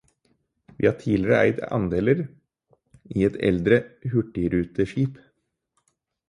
Vi har tidligere eid andeler i et eldre hurtigruteskip.